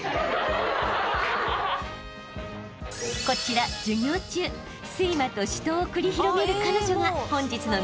［こちら授業中睡魔と死闘を繰り広げる彼女が］